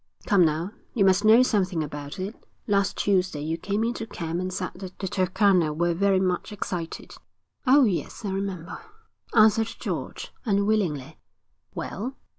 'Come now, you must know something about it. Last Tuesday you came into camp and said the Turkana were very much excited.' 'Oh, yes, I remember,' answered George, unwillingly 'Well?'